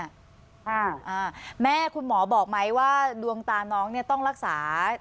อ่าอ่าแม่คุณหมอบอกไหมว่าดวงตาน้องเนี่ยต้องรักษา